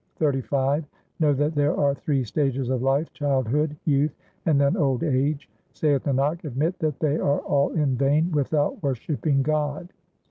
XXXV Know that there are three stages of life, childhood, youth, and then old age ; Saith Nanak, admit that they are all in vain without worshipping God.